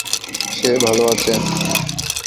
সে ভালো আছে।